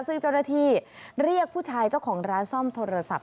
ซึ่งเจ้าหน้าที่เรียกผู้ชายเจ้าของร้านซ่อมโทรศัพท์